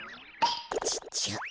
ちっちゃ。